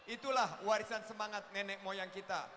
itulah warisan semangat nenek moyang kita